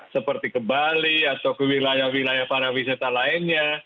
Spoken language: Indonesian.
seperti ke bali atau ke wilayah wilayah para wisata lainnya